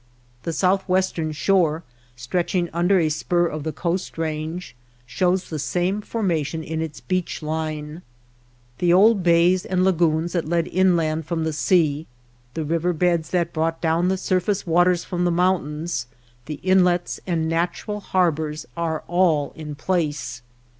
The southwestern shore, stretch ing under a spur of the Coast Eange, shows the same formation in its beach line. The old bays and lagoons that led inland from the sea, the river beds that brought down the surface waters from the mountains, the inlets and nat ural harbors are all in place.